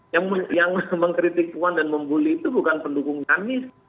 yang mengkritik puan dan membuli itu bukan pendukung anies